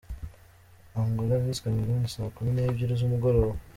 Angola vs Cameroun: saa kumi n’ebyiri z’umugoroba.